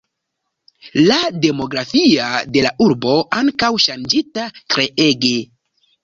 La demografia de la urbo ankaŭ ŝanĝita treege.